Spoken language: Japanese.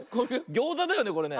ギョーザだよねこれね。